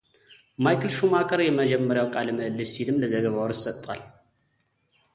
ማይክል ሹማከር የመጀመሪያው ቃለ ምልልስ ሲልም ለዘገባው ርዕስ ሰጥቷል።